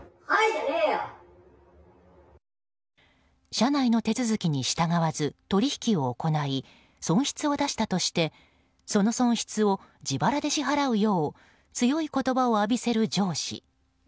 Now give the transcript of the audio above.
社内の手続きに従わず取引を行い、損失を出したとしてその損失を自腹で支払うよう強い言葉を浴びせる上司。